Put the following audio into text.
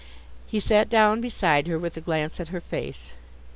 He sat down beside her, with a glance at her face.